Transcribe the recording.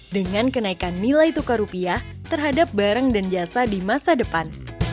dengan kenaikan nilai tukar rupiah terhadap barang dan jasa di masa depan